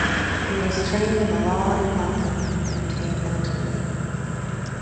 He was trained in the law in London and became an attorney.